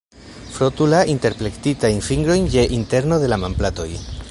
Frotu la interplektitajn fingrojn je interno de la manplatoj.